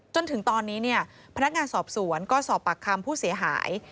จนถึงตอนนี้พนักงานสอบสวนก็สอบปากคำผู้เสียหาย